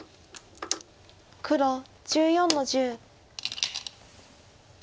黒１４の十。